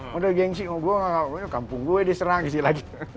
waduh gengsi kampung gue diserang gitu lagi